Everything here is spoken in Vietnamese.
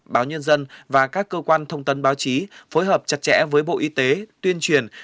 báo nhân dân và các cơ quan thông tin báo chí phối hợp chặt chẽ với bộ y tế tuyên truyền